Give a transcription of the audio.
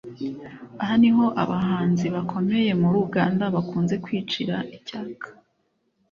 aha niho abahanzi bakomeye muri Uganda bakunze kwicira icyaka